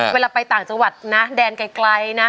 เวลาไปต่างจังหวัดนะแดนไกลนะ